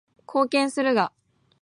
貢献するが